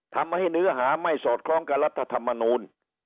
ทำให้เนื้อหาไม่สอดคล้องกับรัฐธรรมนูล